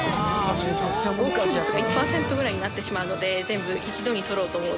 合格率が１パーセントぐらいになってしまうので全部一度に取ろうと思うと。